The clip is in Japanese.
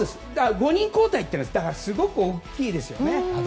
５人交代というのはすごく大きいですよね。